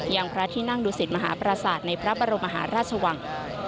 อย่างพระที่นั่งดุสิตมหาประสาทในพระบรมหาราชวัง